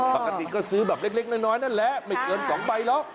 ปกติก็ซื้อแบบเล็กน้อยนั่นแหละไม่เกิน๒ใบหรอก